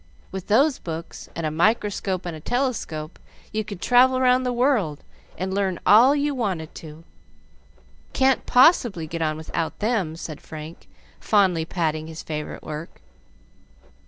With those books, and a microscope and a telescope, you could travel round the world, and learn all you wanted to. Can't possibly get on without them," said Frank, fondly patting his favorite work.